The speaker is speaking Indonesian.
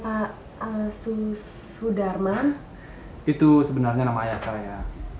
pak susudarman itu sebenarnya nama ayah saya